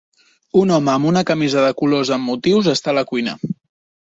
Un home amb una camisa de colors amb motius està a la cuina.